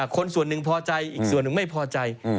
คนส่วนหนึ่งพอใจอีกส่วนหนึ่งไม่พอใจ